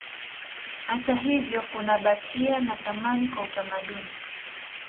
Hata hivyo kunabakia na thamani kwa utamaduni